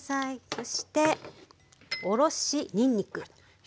そしておろしにんにく。